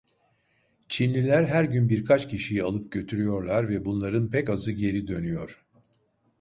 Çinliler her gün birkaç kişiyi alıp götürüyorlar ve bunların pek azı geri dönüyor.